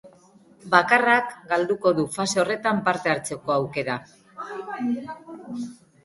Bakarrak galduko du fase horretan parte hartzeko aukera.